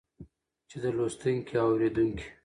چې د لوستونکي او اورېدونکي